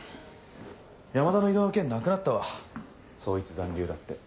山田の異動の件なくなったわ捜一残留だって。